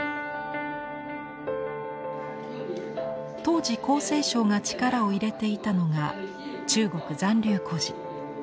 当時厚生省が力を入れていたのが中国残留孤児。